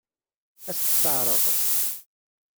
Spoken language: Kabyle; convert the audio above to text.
Ad as-t-teɛṛeḍ?